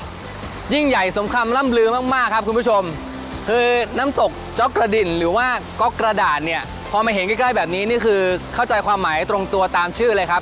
ก็ยิ่งใหญ่สมคำล่ำลือมากมากครับคุณผู้ชมคือน้ำตกจ๊อกกระดินหรือว่าก๊อกกระดาษเนี่ยพอมาเห็นใกล้ใกล้แบบนี้นี่คือเข้าใจความหมายตรงตัวตามชื่อเลยครับ